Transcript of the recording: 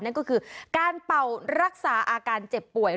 นั่นก็คือการเป่ารักษาอาการเจ็บป่วย